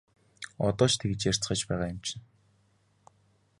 Одоо ч тэгж ярьцгааж байгаа юм чинь!